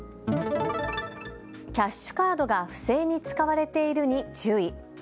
キャッシュカードが不正に使われているに注意。